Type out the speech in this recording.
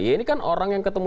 ya ini kan orang yang ketemu